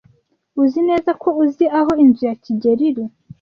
Uzi neza ko uzi aho inzu ya kigeli iri?